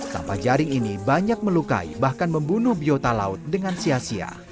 sampah jaring ini banyak melukai bahkan membunuh biota laut dengan sia sia